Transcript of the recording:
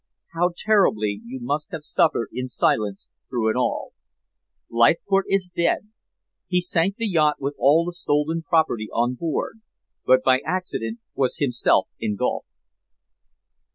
how terribly you must have suffered in silence through it all. Leithcourt is dead. He sank the yacht with all the stolen property on board, but by accident was himself engulfed."